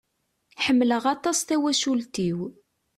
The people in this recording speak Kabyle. Ḥemmeleq aṭas tawacult-iw.